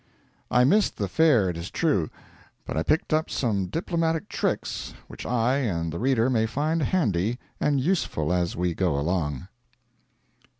I missed the Fair it is true, but I picked up some diplomatic tricks which I and the reader may find handy and useful as we go along.